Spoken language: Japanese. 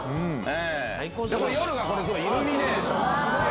夜はイルミネーション。